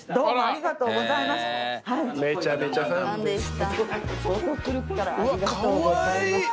ありがとうございます。